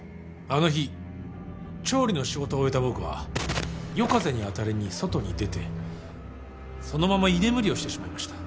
あの日調理の仕事を終えた僕は夜風に当たりに外に出てそのまま居眠りをしてしまいました。